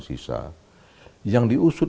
sisa yang diusut